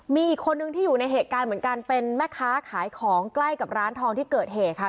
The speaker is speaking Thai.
มีอีกคนนึงที่อยู่ในเหตุการณ์เหมือนกันเป็นแม่ค้าขายของใกล้กับร้านทองที่เกิดเหตุค่ะ